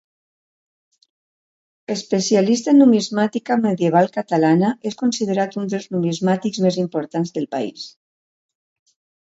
Especialista en numismàtica medieval catalana, és considerat un dels numismàtics més importants del país.